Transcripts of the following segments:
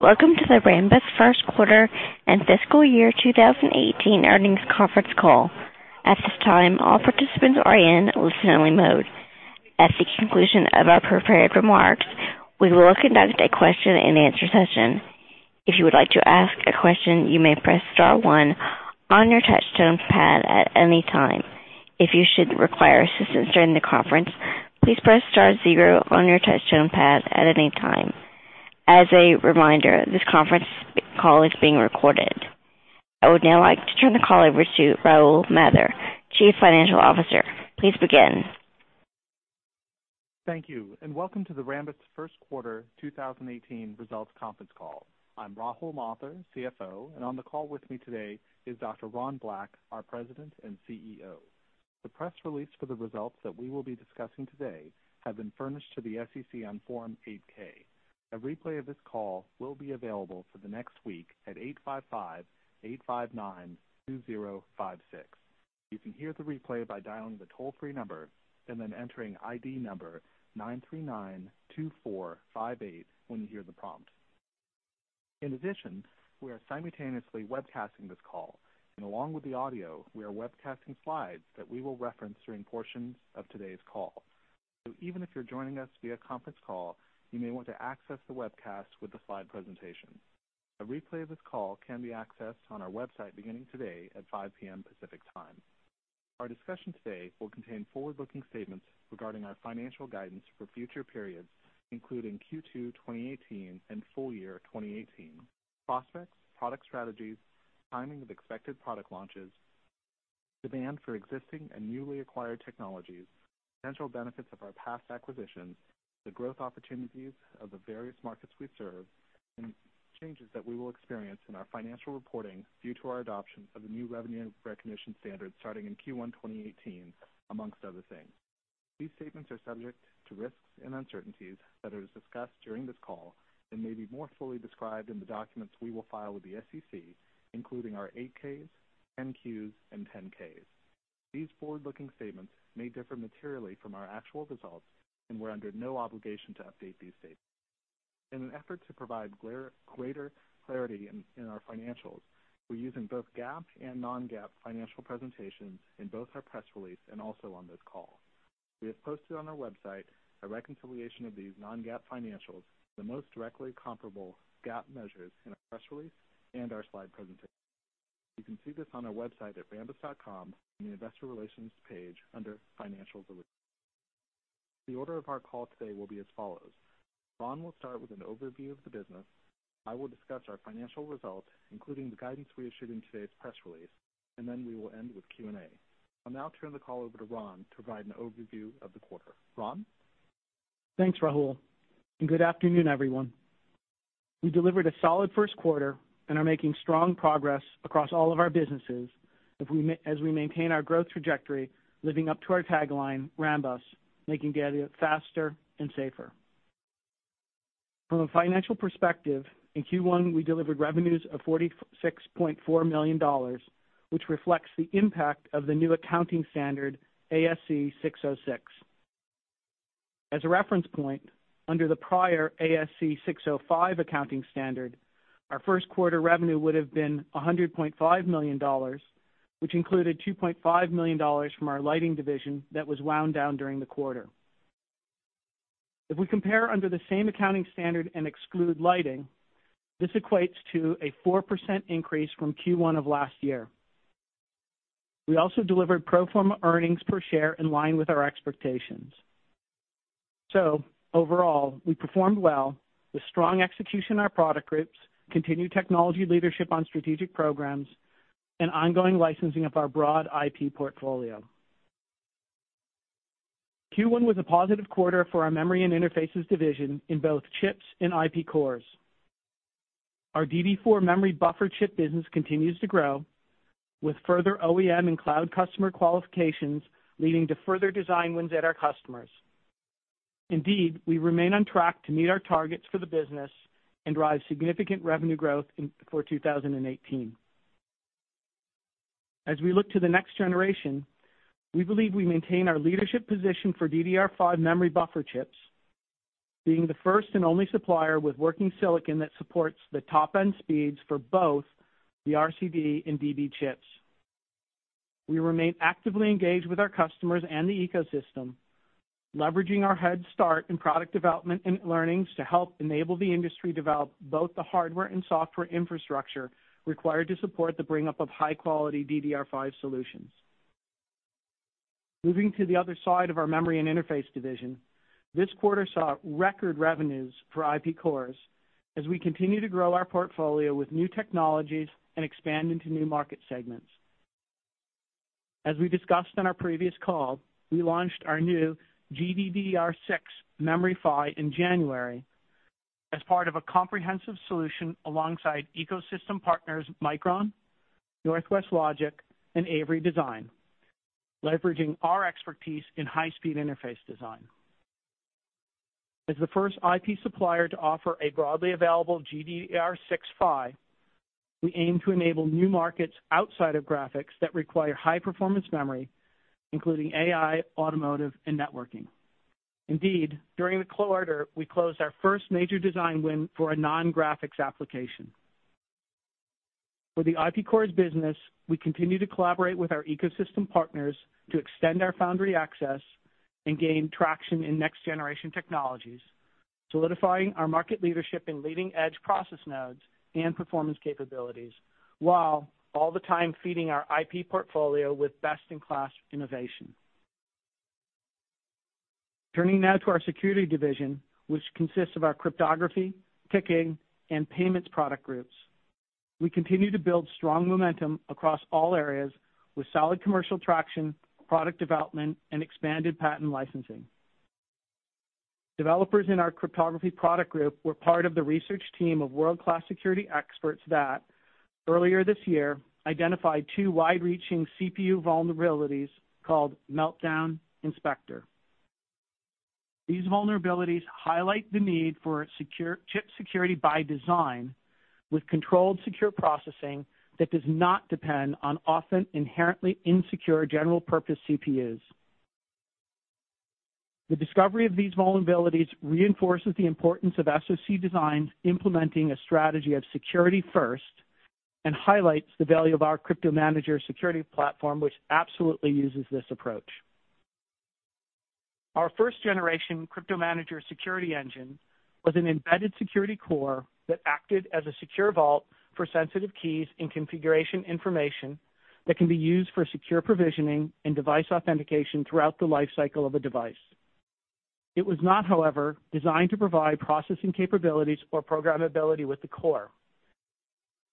Welcome to the Rambus first quarter and fiscal year 2018 earnings conference call. At this time, all participants are in listen-only mode. At the conclusion of our prepared remarks, we will conduct a question-and-answer session. If you would like to ask a question, you may press star one on your touch tone pad at any time. If you should require assistance during the conference, please press star zero on your touch tone pad at any time. As a reminder, this conference call is being recorded. I would now like to turn the call over to Rahul Mathur, Chief Financial Officer. Please begin. Thank you, welcome to the Rambus first quarter 2018 results conference call. I'm Rahul Mathur, CFO, and on the call with me today is Dr. Ron Black, our President and CEO. The press release for the results that we will be discussing today have been furnished to the SEC on Form 8-K. A replay of this call will be available for the next week at 855-859-2056. You can hear the replay by dialing the toll-free number and then entering ID number 9392458 when you hear the prompt. In addition, we are simultaneously webcasting this call, and along with the audio, we are webcasting slides that we will reference during portions of today's call. Even if you're joining us via conference call, you may want to access the webcast with the slide presentation. A replay of this call can be accessed on our website beginning today at 5:00 P.M. Pacific Time. Our discussion today will contain forward-looking statements regarding our financial guidance for future periods, including Q2 2018 and full year 2018, prospects, product strategies, timing of expected product launches, demand for existing and newly acquired technologies, potential benefits of our past acquisitions, the growth opportunities of the various markets we serve, and changes that we will experience in our financial reporting due to our adoption of the new revenue recognition standard starting in Q1 2018, amongst other things. These statements are subject to risks and uncertainties that are discussed during this call and may be more fully described in the documents we will file with the SEC, including our 8-Ks, 10-Qs, and 10-Ks. These forward-looking statements may differ materially from our actual results, and we're under no obligation to update these statements. In an effort to provide greater clarity in our financials, we're using both GAAP and non-GAAP financial presentations in both our press release and also on this call. We have posted on our website a reconciliation of these non-GAAP financials, the most directly comparable GAAP measures in our press release and our slide presentation. You can see this on our website at rambus.com in the investor relations page under financial releases. The order of our call today will be as follows. Ron will start with an overview of the business. I will discuss our financial results, including the guidance we issued in today's press release, and then we will end with Q&A. I'll now turn the call over to Ron to provide an overview of the quarter. Ron? Thanks, Rahul, and good afternoon, everyone. We delivered a solid first quarter and are making strong progress across all of our businesses as we maintain our growth trajectory, living up to our tagline, "Rambus, making data faster and safer." From a financial perspective, in Q1, we delivered revenues of $46.4 million, which reflects the impact of the new accounting standard, ASC 606. As a reference point, under the prior ASC 605 accounting standard, our first quarter revenue would have been $100.5 million, which included $2.5 million from our lighting division that was wound down during the quarter. If we compare under the same accounting standard and exclude lighting, this equates to a 4% increase from Q1 of last year. We also delivered pro forma earnings per share in line with our expectations. Overall, we performed well with strong execution in our product groups, continued technology leadership on strategic programs, and ongoing licensing of our broad IP portfolio. Q1 was a positive quarter for our Memory and Interfaces Division in both chips and IP cores. Our DDR4 memory buffer chip business continues to grow, with further OEM and cloud customer qualifications leading to further design wins at our customers. Indeed, we remain on track to meet our targets for the business and drive significant revenue growth for 2018. As we look to the next generation, we believe we maintain our leadership position for DDR5 memory buffer chips, being the first and only supplier with working silicon that supports the top-end speeds for both the RCD and DB chips. We remain actively engaged with our customers and the ecosystem, leveraging our head start in product development and learnings to help enable the industry develop both the hardware and software infrastructure required to support the bring-up of high-quality DDR5 solutions. Moving to the other side of our Memory and Interfaces Division, this quarter saw record revenues for IP cores as we continue to grow our portfolio with new technologies and expand into new market segments. As we discussed on our previous call, we launched our new GDDR6 memory PHY in January as part of a comprehensive solution alongside ecosystem partners Micron, Northwest Logic, and Avery Design, leveraging our expertise in high-speed interface design. As the first IP supplier to offer a broadly available GDDR6 PHY, we aim to enable new markets outside of graphics that require high-performance memory, including AI, automotive, and networking. Indeed, during the quarter, we closed our first major design win for a non-graphics application. For the IP cores business, we continue to collaborate with our ecosystem partners to extend our foundry access and gain traction in next-generation technologies, solidifying our market leadership in leading-edge process nodes and performance capabilities, while all the time feeding our IP portfolio with best-in-class innovation. Turning now to our security division, which consists of our cryptography, ticketing, and payments product groups. Developers in our cryptography product group were part of the research team of world-class security experts that, earlier this year, identified two wide-reaching CPU vulnerabilities called Meltdown and Spectre. These vulnerabilities highlight the need for chip security by design with controlled secure processing that does not depend on often inherently insecure general purpose CPUs. The discovery of these vulnerabilities reinforces the importance of SoC designs implementing a strategy of security first and highlights the value of our CryptoManager security platform, which absolutely uses this approach. Our first-generation CryptoManager security engine was an embedded security core that acted as a secure vault for sensitive keys and configuration information that can be used for secure provisioning and device authentication throughout the life cycle of a device. It was not, however, designed to provide processing capabilities or programmability with the core.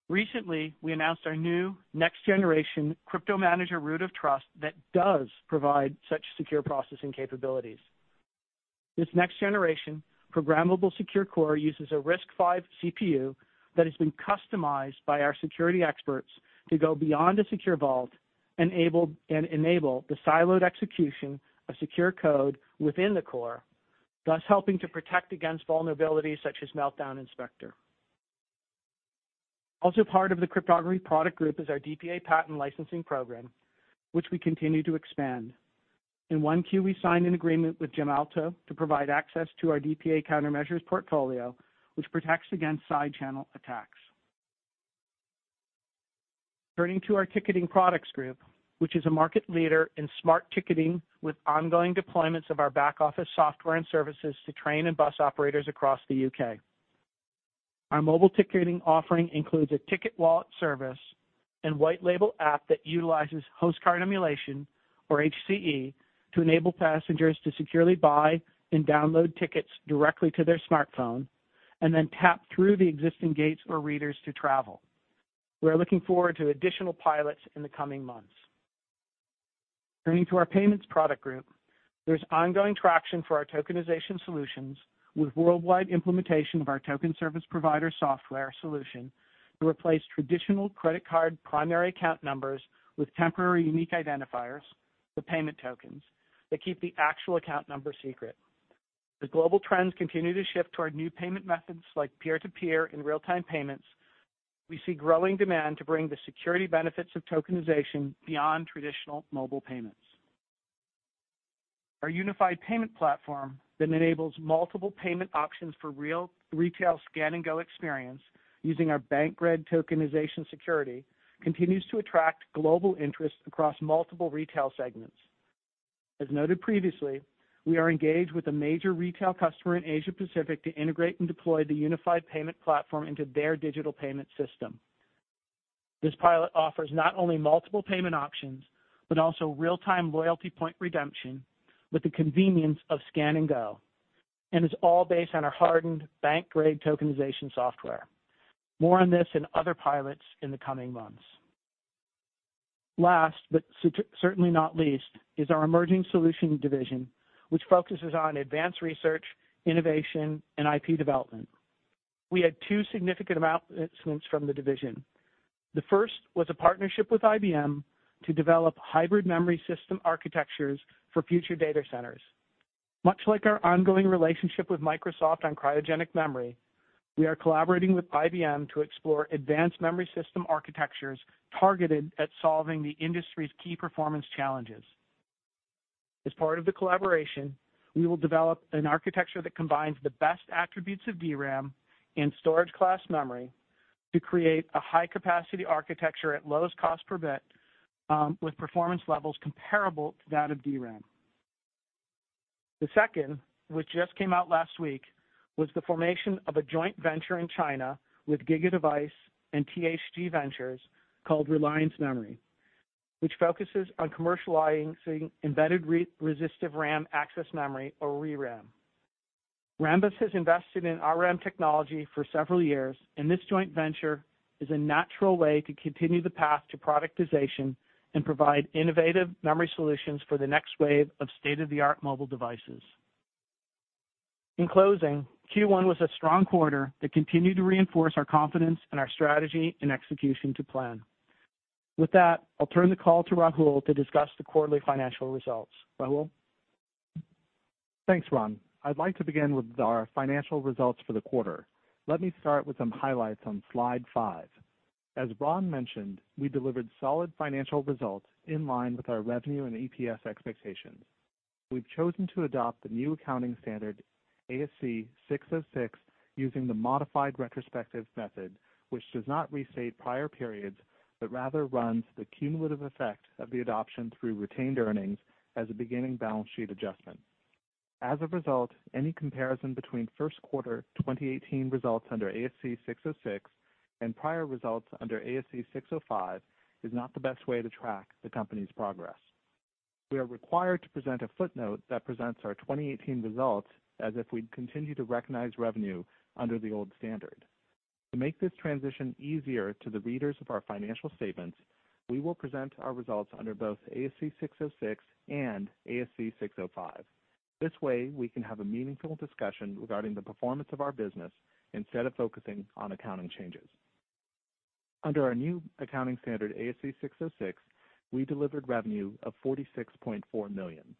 Recently, we announced our new next-generation CryptoManager Root of Trust that does provide such secure processing capabilities. This next-generation programmable secure core uses a RISC-V CPU that has been customized by our security experts to go beyond a secure vault and enable the siloed execution of secure code within the core, thus helping to protect against vulnerabilities such as Meltdown and Spectre. Part of the cryptography product group is our DPA patent licensing program, which we continue to expand. In 1Q, we signed an agreement with Gemalto to provide access to our DPA countermeasures portfolio, which protects against side channel attacks. Turning to our ticketing products group, which is a market leader in smart ticketing with ongoing deployments of our back-office software and services to train and bus operators across the U.K. Our mobile ticketing offering includes a ticket wallet service and white label app that utilizes host card emulation, or HCE, to enable passengers to securely buy and download tickets directly to their smartphone and then tap through the existing gates or readers to travel. We are looking forward to additional pilots in the coming months. Turning to our payments product group, there's ongoing traction for our tokenization solutions with worldwide implementation of our token service provider software solution to replace traditional credit card primary account numbers with temporary unique identifiers, the payment tokens, that keep the actual account number secret. Global trends continue to shift toward new payment methods like peer-to-peer and real-time payments, we see growing demand to bring the security benefits of tokenization beyond traditional mobile payments. Our unified payment platform that enables multiple payment options for retail scan-and-go experience using our bank-grade tokenization security continues to attract global interest across multiple retail segments. Noted previously, we are engaged with a major retail customer in Asia-Pacific to integrate and deploy the unified payment platform into their digital payment system. This pilot offers not only multiple payment options, but also real-time loyalty point redemption with the convenience of scan and go, and is all based on our hardened bank-grade tokenization software. More on this and other pilots in the coming months. Last, but certainly not least, is our emerging solution division, which focuses on advanced research, innovation, and IP development. We had two significant announcements from the division. The first was a partnership with IBM to develop hybrid memory system architectures for future data centers. Much like our ongoing relationship with Microsoft on cryogenic memory, we are collaborating with IBM to explore advanced memory system architectures targeted at solving the industry's key performance challenges. As part of the collaboration, we will develop an architecture that combines the best attributes of DRAM and storage class memory to create a high-capacity architecture at lowest cost per bit, with performance levels comparable to that of DRAM. The second, which just came out last week, was the formation of a joint venture in China with GigaDevice and THG Ventures called Reliance Memory, which focuses on commercializing embedded resistive RAM access memory, or ReRAM. Rambus has invested in our RAM technology for several years, and this joint venture is a natural way to continue the path to productization and provide innovative memory solutions for the next wave of state-of-the-art mobile devices. In closing, Q1 was a strong quarter that continued to reinforce our confidence in our strategy and execution to plan. With that, I'll turn the call to Rahul to discuss the quarterly financial results. Rahul? Thanks, Ron. I'd like to begin with our financial results for the quarter. Let me start with some highlights on slide five. As Ron mentioned, we delivered solid financial results in line with our revenue and EPS expectations. We've chosen to adopt the new accounting standard, ASC 606, using the modified retrospective method, which does not restate prior periods, but rather runs the cumulative effect of the adoption through retained earnings as a beginning balance sheet adjustment. As a result, any comparison between first quarter 2018 results under ASC 606 and prior results under ASC 605 is not the best way to track the company's progress. We are required to present a footnote that presents our 2018 results as if we'd continue to recognize revenue under the old standard. To make this transition easier to the readers of our financial statements, we will present our results under both ASC 606 and ASC 605. This way, we can have a meaningful discussion regarding the performance of our business instead of focusing on accounting changes. Under our new accounting standard, ASC 606, we delivered revenue of $46.4 million.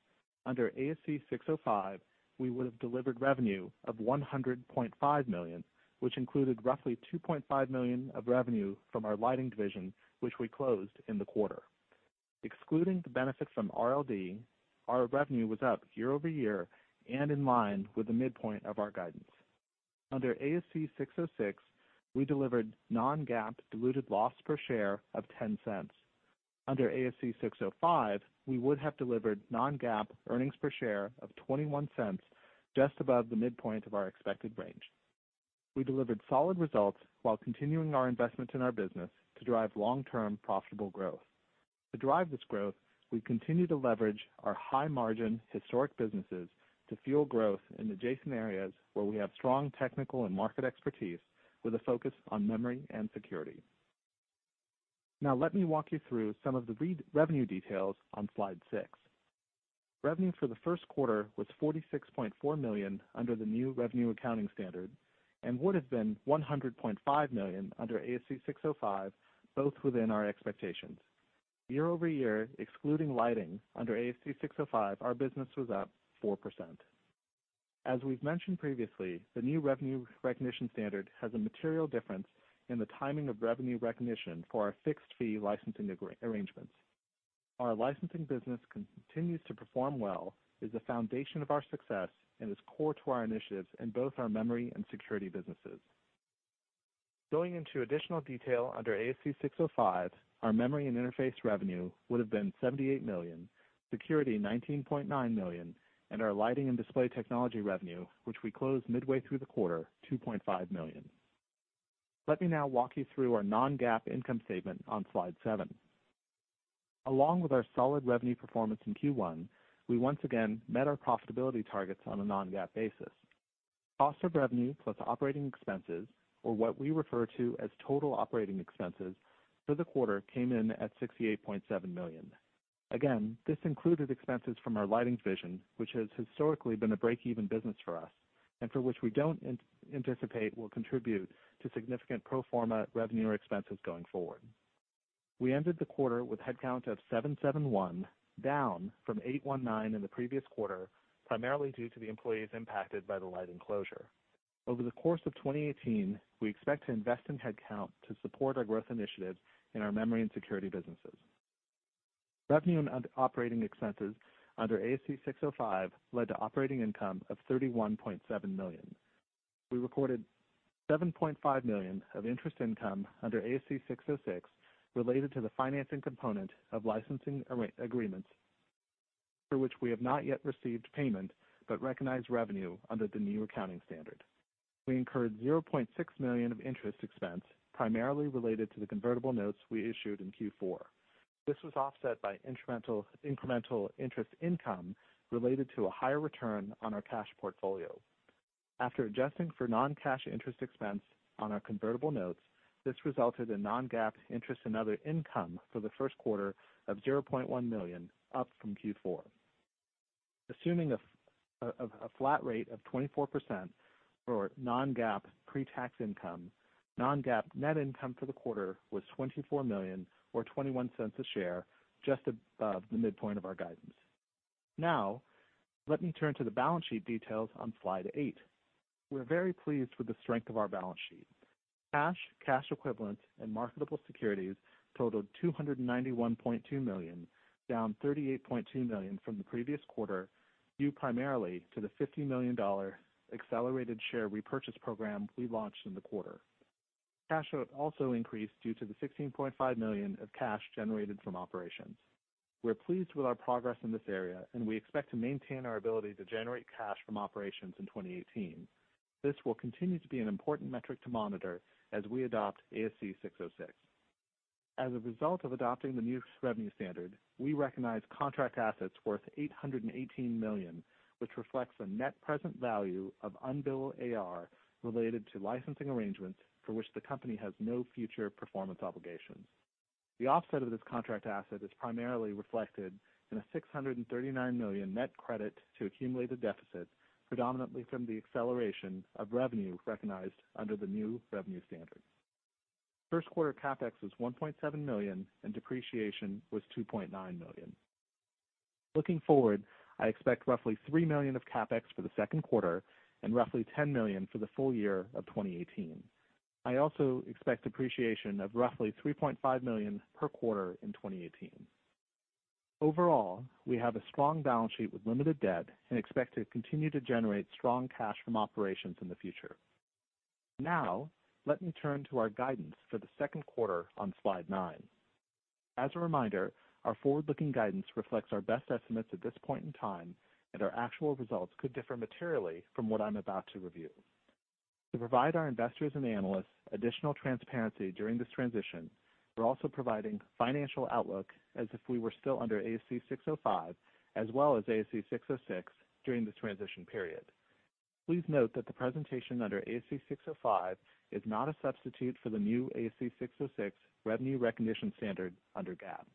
Under ASC 605, we would have delivered revenue of $100.5 million, which included roughly $2.5 million of revenue from our lighting division, which we closed in the quarter. Excluding the benefits from RLD, our revenue was up year-over-year and in line with the midpoint of our guidance. Under ASC 606, we delivered non-GAAP diluted loss per share of $0.10. Under ASC 605, we would have delivered non-GAAP earnings per share of $0.21, just above the midpoint of our expected range. We delivered solid results while continuing our investment in our business to drive long-term profitable growth. To drive this growth, we continue to leverage our high-margin historic businesses to fuel growth in adjacent areas where we have strong technical and market expertise, with a focus on memory and security. Let me walk you through some of the revenue details on slide six. Revenue for the first quarter was $46.4 million under the new revenue accounting standard and would have been $100.5 million under ASC 605, both within our expectations. Year-over-year, excluding lighting under ASC 605, our business was up 4%. As we've mentioned previously, the new revenue recognition standard has a material difference in the timing of revenue recognition for our fixed-fee licensing arrangements. Our licensing business continues to perform well, is the foundation of our success, and is core to our initiatives in both our memory and security businesses. Going into additional detail under ASC 605, our memory and interface revenue would have been $78 million, security, $19.9 million, and our lighting and display technology revenue, which we closed midway through the quarter, $2.5 million. Let me now walk you through our non-GAAP income statement on slide seven. Along with our solid revenue performance in Q1, we once again met our profitability targets on a non-GAAP basis. Cost of revenue plus operating expenses, or what we refer to as total operating expenses for the quarter, came in at $68.7 million. This included expenses from our lighting division, which has historically been a break-even business for us and for which we don't anticipate will contribute to significant pro forma revenue or expenses going forward. We ended the quarter with headcount of 771, down from 819 in the previous quarter, primarily due to the employees impacted by the lighting closure. Over the course of 2018, we expect to invest in headcount to support our growth initiatives in our memory and security businesses. Revenue and operating expenses under ASC 605 led to operating income of $31.7 million. We recorded $7.5 million of interest income under ASC 606 related to the financing component of licensing agreements for which we have not yet received payment but recognized revenue under the new accounting standard. We incurred $0.6 million of interest expense, primarily related to the convertible notes we issued in Q4. This was offset by incremental interest income related to a higher return on our cash portfolio. After adjusting for non-cash interest expense on our convertible notes, this resulted in non-GAAP interest and other income for the first quarter of $0.1 million, up from Q4. Assuming a flat rate of 24% for non-GAAP pre-tax income, non-GAAP net income for the quarter was $24 million or $0.21 a share, just above the midpoint of our guidance. Let me turn to the balance sheet details on slide eight. We're very pleased with the strength of our balance sheet. Cash, cash equivalents, and marketable securities totaled $291.2 million, down $38.2 million from the previous quarter, due primarily to the $50 million accelerated share repurchase program we launched in the quarter. Cash also increased due to the $16.5 million of cash generated from operations. We're pleased with our progress in this area, we expect to maintain our ability to generate cash from operations in 2018. This will continue to be an important metric to monitor as we adopt ASC 606. As a result of adopting the new revenue standard, we recognize contract assets worth $818 million, which reflects a net present value of unbilled AR related to licensing arrangements for which the company has no future performance obligations. The offset of this contract asset is primarily reflected in a $639 million net credit to accumulated deficit, predominantly from the acceleration of revenue recognized under the new revenue standard. First quarter CapEx was $1.7 million, and depreciation was $2.9 million. Looking forward, I expect roughly $3 million of CapEx for the second quarter and roughly $10 million for the full year of 2018. I also expect depreciation of roughly $3.5 million per quarter in 2018. Overall, we have a strong balance sheet with limited debt and expect to continue to generate strong cash from operations in the future. Now, let me turn to our guidance for the second quarter on slide nine. As a reminder, our forward-looking guidance reflects our best estimates at this point in time, and our actual results could differ materially from what I'm about to review. To provide our investors and analysts additional transparency during this transition, we're also providing financial outlook as if we were still under ASC 605 as well as ASC 606 during this transition period. Please note that the presentation under ASC 605 is not a substitute for the new ASC 606 revenue recognition standard under GAAP.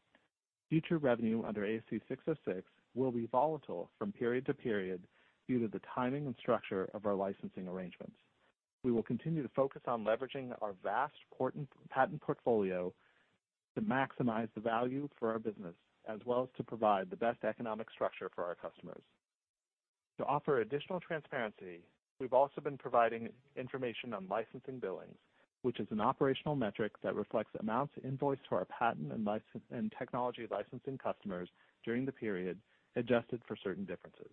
Future revenue under ASC 606 will be volatile from period to period due to the timing and structure of our licensing arrangements. We will continue to focus on leveraging our vast patent portfolio to maximize the value for our business, as well as to provide the best economic structure for our customers. To offer additional transparency, we've also been providing information on licensing billings, which is an operational metric that reflects amounts invoiced to our patent and technology licensing customers during the period, adjusted for certain differences.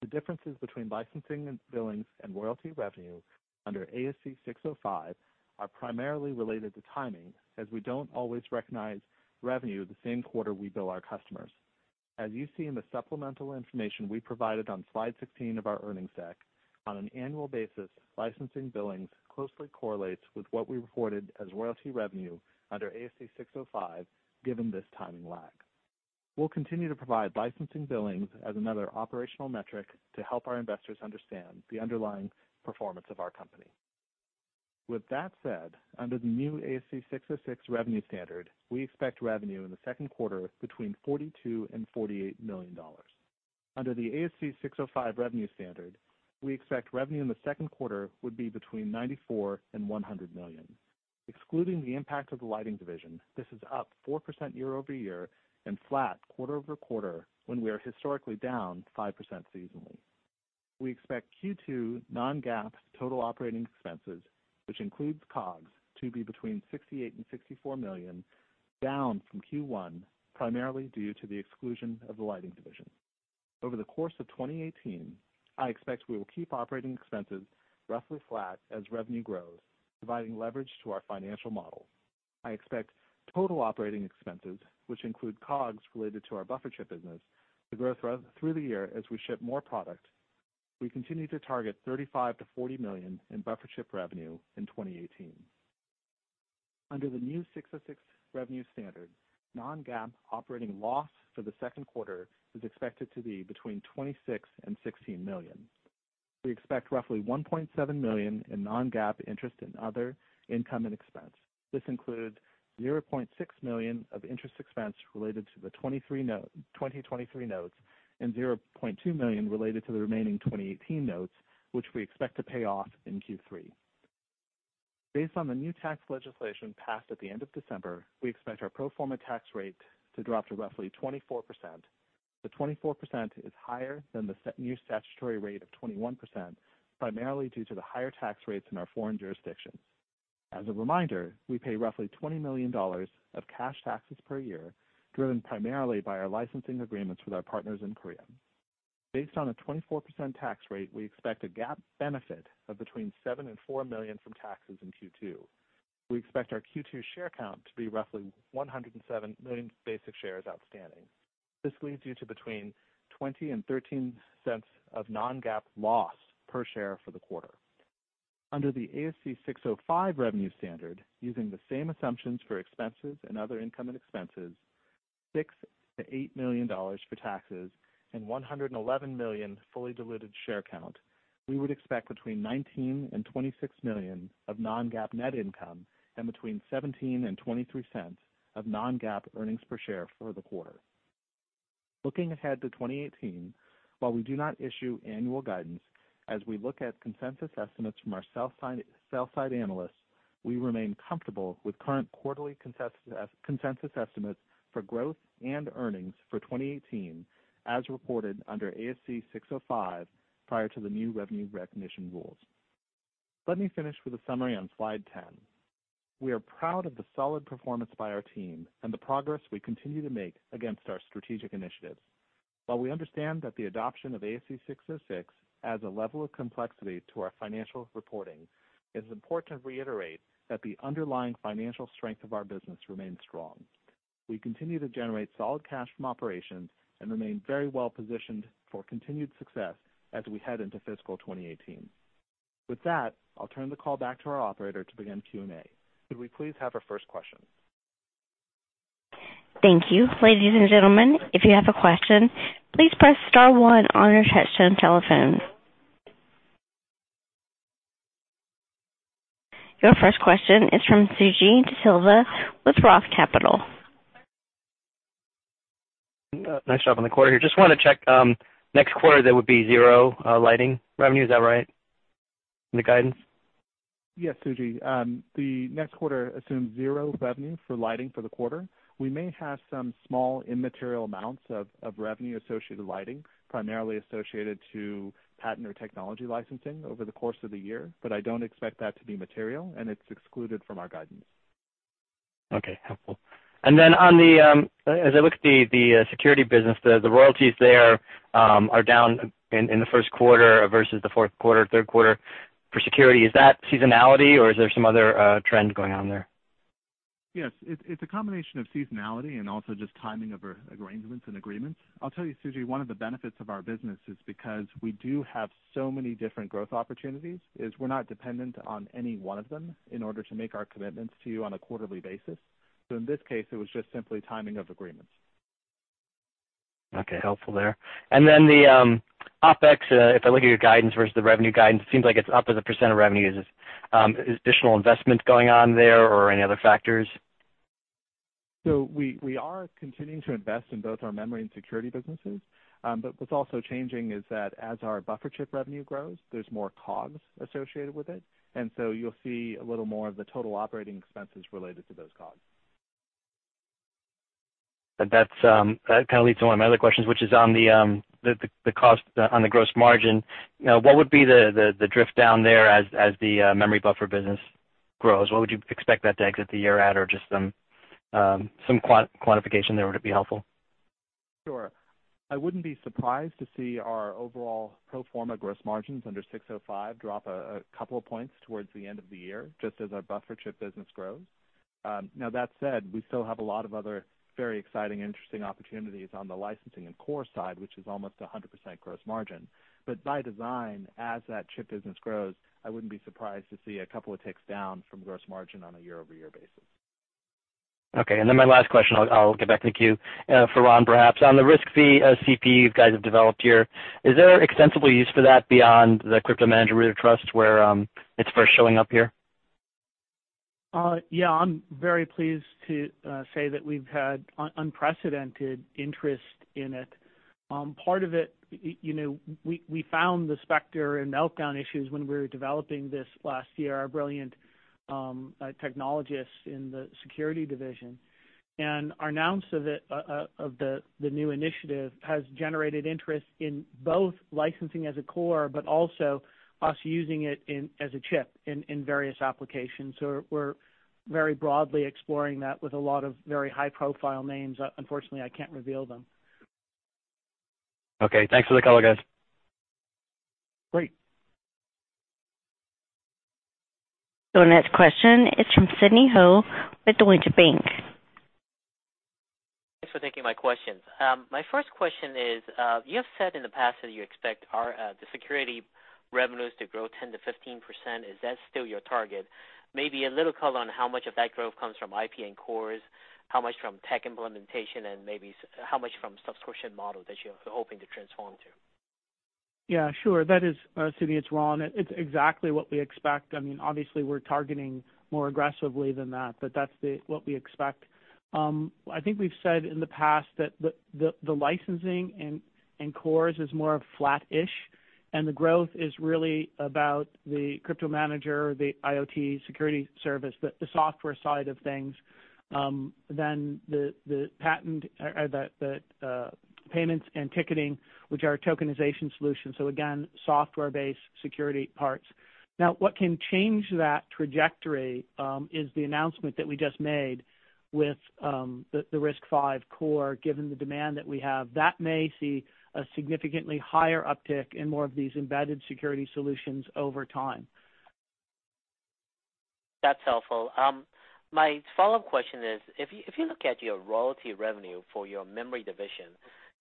The differences between licensing and billings and royalty revenue under ASC 605 are primarily related to timing, as we don't always recognize revenue the same quarter we bill our customers. As you see in the supplemental information we provided on slide 16 of our earnings deck, on an annual basis, licensing billings closely correlates with what we reported as royalty revenue under ASC 605 given this timing lag. We'll continue to provide licensing billings as another operational metric to help our investors understand the underlying performance of our company. With that said, under the new ASC 606 revenue standard, we expect revenue in the second quarter between $42 million and $48 million. Under the ASC 605 revenue standard, we expect revenue in the second quarter would be between $94 million and $100 million. Excluding the impact of the lighting division, this is up 4% year-over-year and flat quarter-over-quarter, when we are historically down 5% seasonally. We expect Q2 non-GAAP total operating expenses, which includes COGS, to be between $68 million and $64 million, down from Q1, primarily due to the exclusion of the lighting division. Over the course of 2018, I expect we will keep operating expenses roughly flat as revenue grows, providing leverage to our financial model. I expect total operating expenses, which include COGS related to our buffer chip business, to grow through the year as we ship more product. We continue to target $35 million to $40 million in buffer chip revenue in 2018. Under the new ASC 606 revenue standard, non-GAAP operating loss for the second quarter is expected to be between $26 million and $16 million. We expect roughly $1.7 million in non-GAAP interest and other income and expense. This includes $0.6 million of interest expense related to the 2023 notes and $0.2 million related to the remaining 2018 notes, which we expect to pay off in Q3. Based on the new tax legislation passed at the end of December, we expect our pro forma tax rate to drop to roughly 24%. The 24% is higher than the new statutory rate of 21%, primarily due to the higher tax rates in our foreign jurisdictions. As a reminder, we pay roughly $20 million of cash taxes per year, driven primarily by our licensing agreements with our partners in Korea. Based on a 24% tax rate, we expect a GAAP benefit of between $7 million and $4 million from taxes in Q2. We expect our Q2 share count to be roughly 107 million basic shares outstanding. This leads you to between $0.20 and $0.13 of non-GAAP loss per share for the quarter. Under the ASC 605 revenue standard, using the same assumptions for expenses and other income and expenses, $6 million-$8 million for taxes and 111 million fully diluted share count, we would expect between $19 million and $26 million of non-GAAP net income and between $0.17 and $0.23 of non-GAAP earnings per share for the quarter. Looking ahead to 2018, while we do not issue annual guidance, as we look at consensus estimates from our sell-side analysts, we remain comfortable with current quarterly consensus estimates for growth and earnings for 2018 as reported under ASC 605 prior to the new revenue recognition rules. Let me finish with a summary on slide 10. We are proud of the solid performance by our team and the progress we continue to make against our strategic initiatives. While we understand that the adoption of ASC 606 adds a level of complexity to our financial reporting, it's important to reiterate that the underlying financial strength of our business remains strong. We continue to generate solid cash from operations and remain very well-positioned for continued success as we head into fiscal 2018. With that, I'll turn the call back to our operator to begin Q&A. Could we please have our first question? Thank you. Ladies and gentlemen, if you have a question, please press star one on your touchtone telephone. Your first question is from Suji Desilva with Roth Capital. Nice job on the quarter here. Just want to check, next quarter there would be zero lighting revenue, is that right? In the guidance? Yes, Suji. The next quarter assumes zero revenue for lighting for the quarter. We may have some small immaterial amounts of revenue associated with lighting, primarily associated to patent or technology licensing over the course of the year, but I don't expect that to be material, and it's excluded from our guidance. Okay, helpful. As I look at the security business, the royalties there are down in the first quarter versus the fourth quarter, third quarter for security. Is that seasonality, or is there some other trend going on there? Yes. It's a combination of seasonality and also just timing of arrangements and agreements. I'll tell you, Suji, one of the benefits of our business is because we do have so many different growth opportunities, is we're not dependent on any one of them in order to make our commitments to you on a quarterly basis. In this case, it was just simply timing of agreements. Okay. Helpful there. The OpEx, if I look at your guidance versus the revenue guidance, seems like it's up as a % of revenue. Is additional investment going on there or any other factors? We are continuing to invest in both our memory and security businesses. What's also changing is that as our buffer chip revenue grows, there's more COGS associated with it, you'll see a little more of the total operating expenses related to those COGS. That leads to one of my other questions, which is on the cost on the gross margin. What would be the drift down there as the memory buffer business grows? What would you expect that to exit the year at or just some quantification there would be helpful. Sure. I wouldn't be surprised to see our overall pro forma gross margins under ASC 605 drop a couple of points towards the end of the year, just as our buffer chip business grows. That said, we still have a lot of other very exciting, interesting opportunities on the licensing and core side, which is almost 100% gross margin. By design, as that chip business grows, I wouldn't be surprised to see a couple of ticks down from gross margin on a year-over-year basis. My last question, I'll get back in the queue for Ron perhaps. On the RISC-V CPU you guys have developed here, is there extensible use for that beyond the CryptoManager Root of Trust where it's first showing up here? I'm very pleased to say that we've had unprecedented interest in it. Part of it, we found the Spectre and Meltdown issues when we were developing this last year, our brilliant technologists in the security division, our announce of the new initiative has generated interest in both licensing as a core, but also us using it as a chip in various applications. We're very broadly exploring that with a lot of very high-profile names. Unfortunately, I can't reveal them. Thanks for the color, guys. Great. Next question is from Sidney Ho with Deutsche Bank. Thanks for taking my questions. My first question is, you have said in the past that you expect the security revenues to grow 10%-15%. Is that still your target? Maybe a little color on how much of that growth comes from IP and cores, how much from tech implementation, and maybe how much from subscription model that you're hoping to transform to. Yeah, sure. Sidney, it's Ron. It's exactly what we expect. Obviously, we're targeting more aggressively than that, but that's what we expect. I think we've said in the past that the licensing and cores is more flat-ish, and the growth is really about the CryptoManager, the IoT security service, the software side of things, than the payments and ticketing, which are tokenization solutions. Again, software-based security parts. What can change that trajectory, is the announcement that we just made with the RISC-V core, given the demand that we have, that may see a significantly higher uptick in more of these embedded security solutions over time. That's helpful. My follow-up question is, if you look at your royalty revenue for your memory division,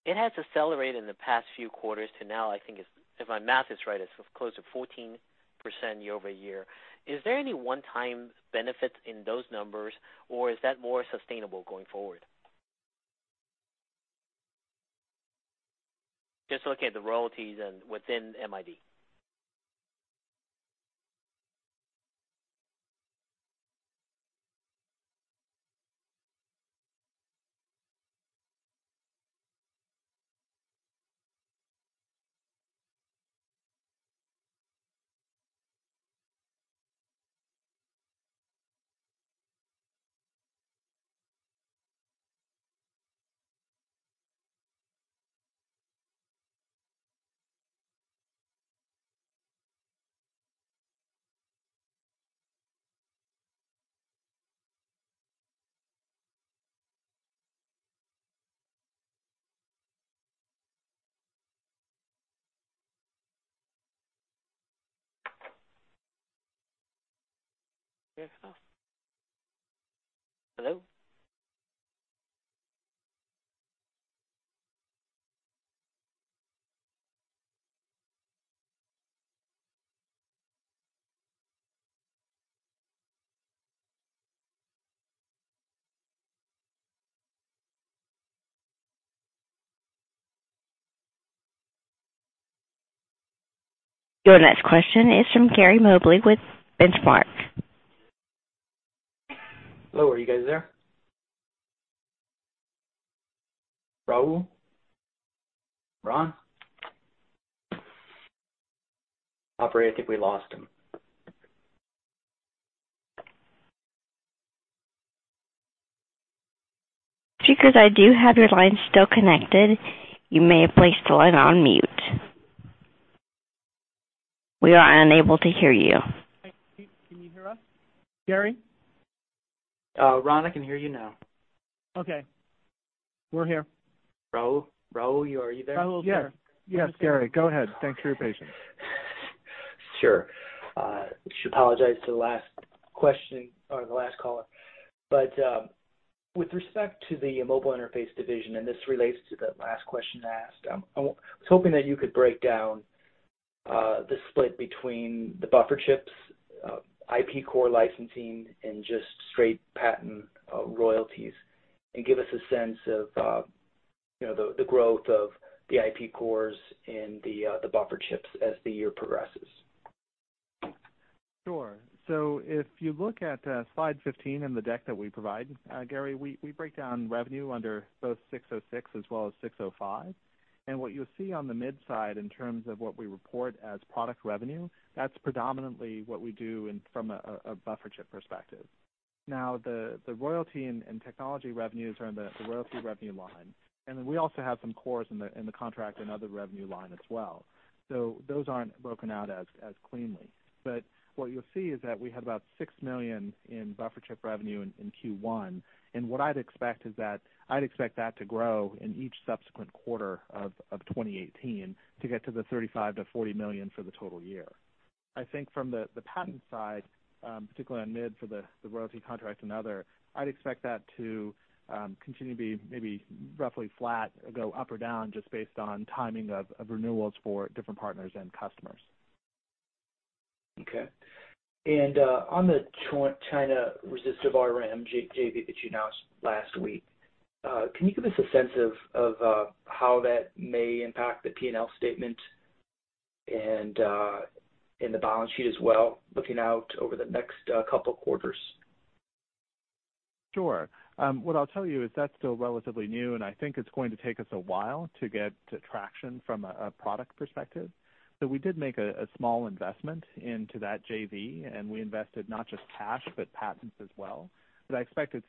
it has accelerated in the past few quarters to now, I think if my math is right, it's close to 14% year-over-year. Is there any one-time benefit in those numbers, or is that more sustainable going forward? Just looking at the royalties within MID. Hello? Your next question is from Gary Mobley with Benchmark. Hello, are you guys there? Rahul? Ron? Operator, I think we lost him. Speakers, I do have your line still connected. You may have placed the line on mute. We are unable to hear you. Can you hear us, Gary? Ron, I can hear you now. Okay. We're here. Rahul, are you there? Rahul, sir. Yes, Gary, go ahead. Thanks for your patience. Sure. I should apologize to the last caller. With respect to the Memory and Interfaces Division, and this relates to the last question I asked, I was hoping that you could break down the split between the buffer chips, IP core licensing, and just straight patent royalties, and give us a sense of the growth of the IP cores and the buffer chips as the year progresses. Sure. If you look at slide 15 in the deck that we provide, Gary, we break down revenue under both 606 as well as 605. What you'll see on the MID side in terms of what we report as product revenue, that's predominantly what we do from a buffer chip perspective. Now, the royalty and technology revenues are in the royalty revenue line, and then we also have some cores in the contract and other revenue line as well. Those aren't broken out as cleanly. What you'll see is that we had about $6 million in buffer chip revenue in Q1. What I'd expect is that to grow in each subsequent quarter of 2018 to get to the $35 million-$40 million for the total year. I think from the patent side, particularly on MID for the royalty contract and other, I'd expect that to continue to be maybe roughly flat, go up or down just based on timing of renewals for different partners and customers. Okay. On the China resistive ReRAM JV that you announced last week, can you give us a sense of how that may impact the P&L statement and the balance sheet as well looking out over the next couple of quarters? Sure. What I'll tell you is that's still relatively new. I think it's going to take us a while to get traction from a product perspective. We did make a small investment into that JV. We invested not just cash but patents as well. I expect it's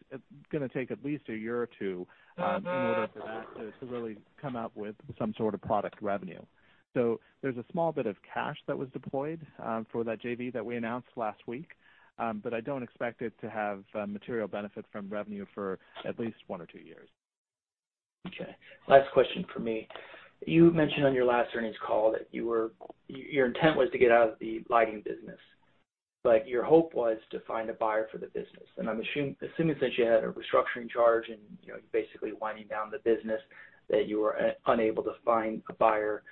going to take at least a year or two in order for that to really come out with some sort of product revenue. There's a small bit of cash that was deployed for that JV that we announced last week. I don't expect it to have material benefit from revenue for at least one or two years. Okay. Last question from me. You mentioned on your last earnings call that your intent was to get out of the lighting business. Your hope was to find a buyer for the business. I'm assuming since you had a restructuring charge and you're basically winding down the business, that you were unable to find a buyer,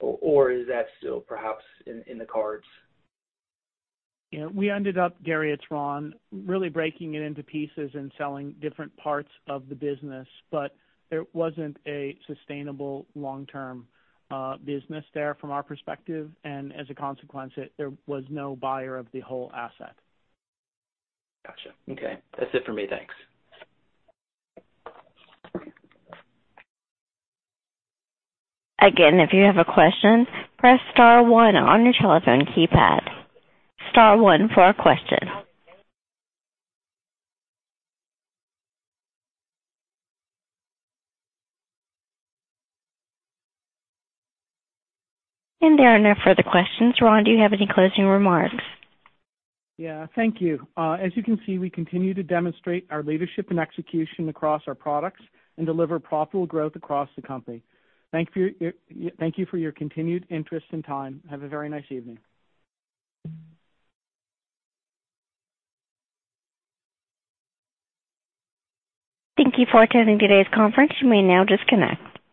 or is that still perhaps in the cards? We ended up, Gary, it's Ron, really breaking it into pieces and selling different parts of the business. It wasn't a sustainable long-term business there from our perspective. As a consequence, there was no buyer of the whole asset. Got you. Okay, that's it for me. Thanks. Again, if you have a question, press star one on your telephone keypad. Star one for a question. There are no further questions. Ron, do you have any closing remarks? Yeah, thank you. As you can see, we continue to demonstrate our leadership and execution across our products and deliver profitable growth across the company. Thank you for your continued interest and time. Have a very nice evening. Thank you for attending today's conference. You may now disconnect.